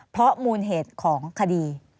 เพราะมูลเหตุของคดี